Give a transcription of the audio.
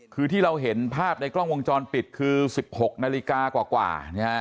คือที่เราเห็นภาพในกล้องวงจรปิดคือ๑๖นาฬิกากว่า